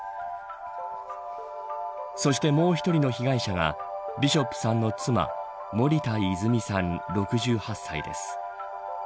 そして、もう１人の被害者がビショップさんの妻森田泉さん６８歳です。